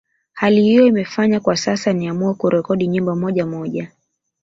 Hali hiyo imenifanya kwa sasa niamue kurekodi nyimbo moja moja